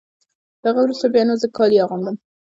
له هغه وروسته بیا نو زه کالي اغوندم.